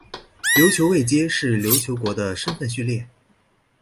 琉球位阶是琉球国的身分序列。